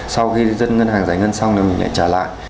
sau khi dân ngân hàng giải ngân xong thì mình lại trả lại